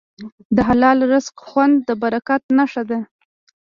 د حلال رزق خوند د برکت نښه ده.